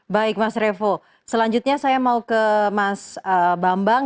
baik mas revo selanjutnya saya mau ke mas bambang